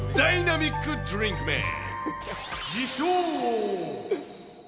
ダイナミックドリンクマン。